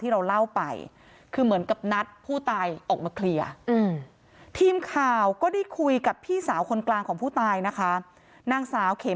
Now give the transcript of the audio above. เอาไว้อายุสามสิบสอง